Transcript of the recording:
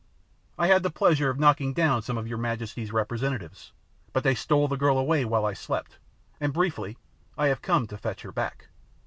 I had the pleasure of knocking down some of your majesty's representatives, but they stole the girl away while I slept, and, briefly, I have come to fetch her back."